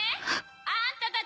あんたたち！